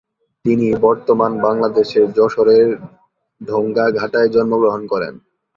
তিনি বর্তমান বাংলাদেশের যশোরের ডোঙ্গাঘাটায় জন্মগ্রহণ করেন।